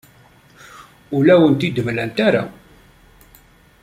Ur awen-ten-id-mlant ara.